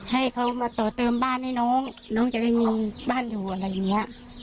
ให้เขามาต่อเติมบ้านให้น้องน้องจะได้มีบ้านอยู่อะไรอย่างนี้